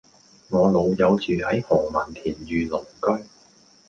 我老友住喺何文田御龍居